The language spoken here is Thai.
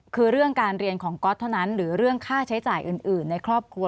คือเรื่องการเรียนของก๊อตเท่านั้นหรือเรื่องค่าใช้จ่ายอื่นในครอบครัว